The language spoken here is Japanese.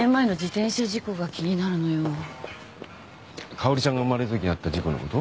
かおりちゃんが生まれるときにあった事故のこと？